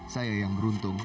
saya yang beruntung